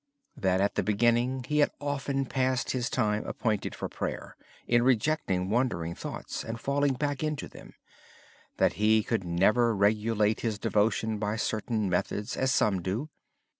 In the beginning he had often passed his time appointed for prayer in rejecting wandering thoughts and falling right back into them. He could never regulate his devotion by certain methods as some do.